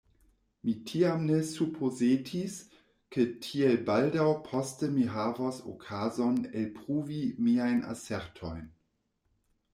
Mi tiam ne supozetis, ke tiel baldaŭ poste mi havos okazon elpruvi miajn asertojn.